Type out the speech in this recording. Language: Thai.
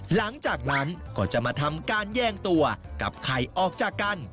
หลังจากนั้นก็จะมาทำการแย่งตัวกับไข่ออกจากกัน